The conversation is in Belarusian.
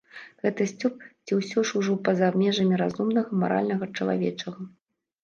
Гэта сцёб ці ўсё ж ужо па-за межамі разумнага, маральнага, чалавечага?